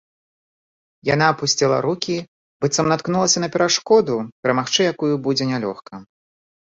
Яна апусціла рукі, быццам наткнулася на перашкоду, перамагчы якую будзе нялёгка.